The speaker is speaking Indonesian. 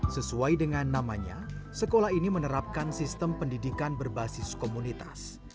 sesuai dengan namanya sekolah ini menerapkan sistem pendidikan berbasis komunitas